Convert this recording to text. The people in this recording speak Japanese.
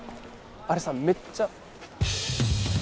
あれさめっちゃ。